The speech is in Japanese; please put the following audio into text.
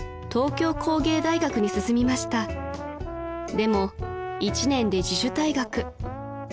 ［でも１年で自主退学］